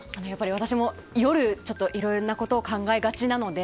私も夜、いろんなことを考えがちなので。